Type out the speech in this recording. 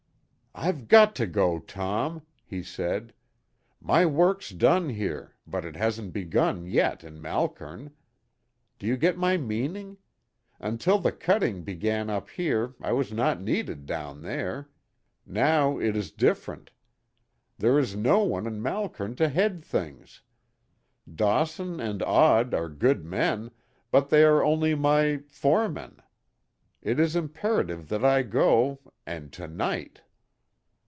"I've got to go, Tom," he said. "My work's done here, but it hasn't begun yet in Malkern. Do you get my meaning? Until the cutting began up here I was not needed down there. Now it is different. There is no one in Malkern to head things. Dawson and Odd are good men, but they are only my foremen. It is imperative that I go, and to night."